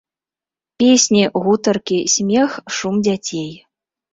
Песні, гутаркі, смех, шум дзяцей.